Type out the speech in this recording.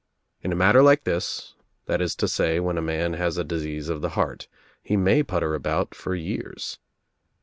In a matter like this, that is to say when a man has a disease of the heart, he may putter about for years."